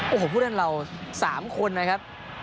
โอ้โหผู้เล่นเรา๓คนนะครับ